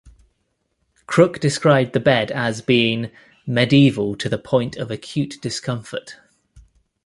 Crook described the bed as being "medieval to the point of acute discomfort".